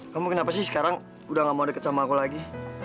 kamu kenapa sih sekarang udah gak mau deket sama aku lagi